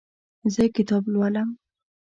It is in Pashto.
زه کتاب لولم.